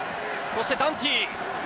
そしてダンティ。